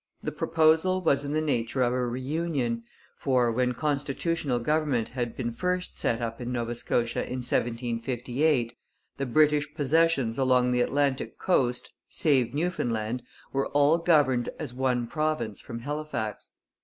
The proposal was in the nature of a reunion, for, when constitutional government had been first set up in Nova Scotia in 1758, the British possessions along the Atlantic coast, save Newfoundland, were all governed as one province from Halifax.